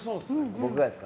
僕がですか？